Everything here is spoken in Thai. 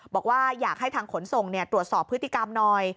บอกว่าอยากให้ทางขนส่งตรวจสอบพฤติกรรมหน่อย